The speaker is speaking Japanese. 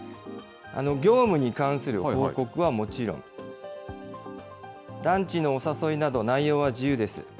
業務に関する報告はもちろん、ランチのお誘いなど、内容は自由です。